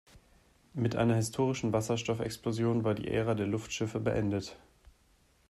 Mit einer historischen Wasserstoffexplosion war die Ära der Luftschiffe beendet.